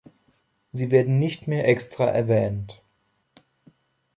Sie werden nicht mehr extra erwähnt.